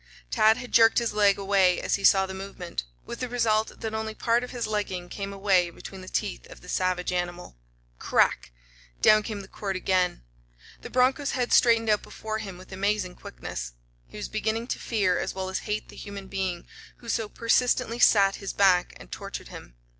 Tad had jerked his leg away as he saw the movement, with the result that only part of his leggin came away between the teeth of the savage animal. Crack! Down came the quirt again. The broncho's head straightened out before him with amazing quickness. He was beginning to fear as well as hate the human being who so persistently sat his back and tortured him.